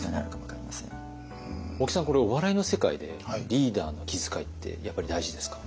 大木さんこれお笑いの世界でリーダーの気遣いってやっぱり大事ですか？